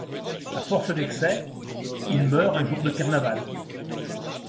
À force d'excès, il meurt un jour de Carnaval.